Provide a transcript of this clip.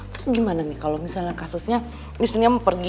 terus gimana nih kalau misalnya kasusnya istrinya mau pergi nih